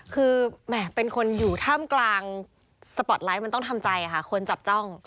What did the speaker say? คือแหมเป็นคนอยู่ท่ามกลางสปอร์ตไลท์มันต้องทำใจค่ะคนจับจ้อง